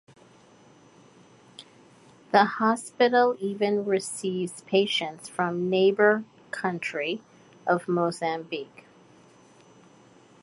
The hospital even receives patients from neighbour country of Mozambique.